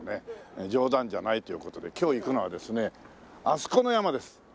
冗談じゃないという事で今日行くのはですねあそこの山です。